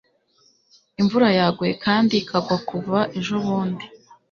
imvura yaguye kandi ikagwa kuva ejobundi